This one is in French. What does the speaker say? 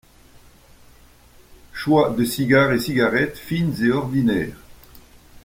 Choix de cigares et cigarettes fines et ordinaires.